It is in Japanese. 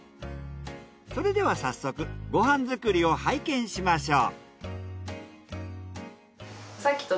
それでは早速ご飯作りを拝見しましょう。